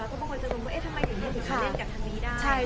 เพราะบางคนจะรู้ว่าทำไมอย่างนี้ถึงจะเล่นกับทางนี้ได้